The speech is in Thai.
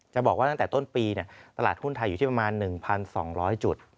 บอกว่าตั้งแต่ต้นปีตลาดหุ้นไทยอยู่ที่ประมาณ๑๒๐๐จุด